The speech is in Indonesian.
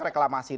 tadut lah ini ya